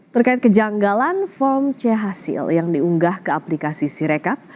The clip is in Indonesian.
terkait kejanggalan form c hasil yang diunggah ke aplikasi sirekap